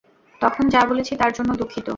তখন যা বলেছি তার জন্য দুঃখিত।